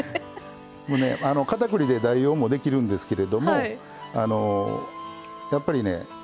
片栗で代用もできるんですけれどもやっぱりね